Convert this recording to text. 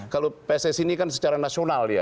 kalau pssi ini kan secara nasional ya